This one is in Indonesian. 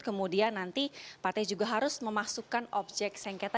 kemudian nanti partai juga harus memasukkan objek sengketa